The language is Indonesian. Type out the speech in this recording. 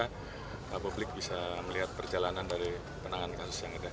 supaya publik bisa melihat perjalanan dari penanganan kasus yang ada